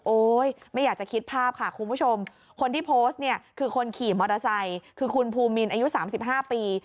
ไม่อยากจะคิดภาพค่ะคุณผู้ชมคนที่โพสต์เนี่ยคือคนขี่มอเตอร์ไซค์คือคุณภูมินอายุ๓๕ปี